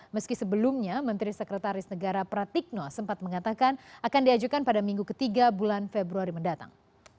meski sebelumnya menteri sekretaris negara pratikno sempat mengatakan akan diajukan pada minggu ketiga bulan februari mendatang